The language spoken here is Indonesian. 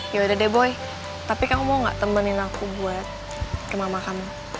yaudah deh boy tapi kamu mau gak temenin aku buat ke mama kamu